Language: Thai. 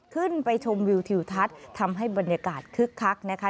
ขึ้นไปชมวิวทิวทัศน์ทำให้บรรยากาศคึกคักนะคะ